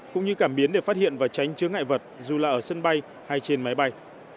cũng như cảm biến để phát hiện và tránh chứa ngại vật dù là ở sân bay hay trên máy bay